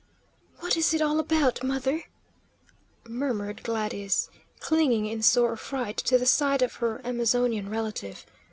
"What is it all about, mother?" murmured Gladys, clinging in sore affright to the side of her Amazonian relative.